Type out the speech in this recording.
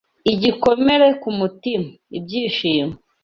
igikomere kumutima. Ibyishimo